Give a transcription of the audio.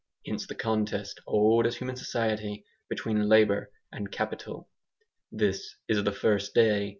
Hence the contest old as human society between labour and capital. This is the first day.